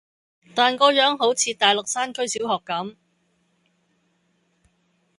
但個樣好似大陸山區小學咁⠀